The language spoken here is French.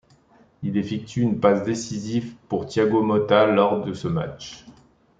Il effectue une passe décisive pour Thiago Motta lors de ce match.